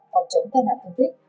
phòng chống tai nạn thương tích